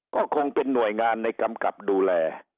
ก็คงเป็นหน่วยงานในกำกับดูแล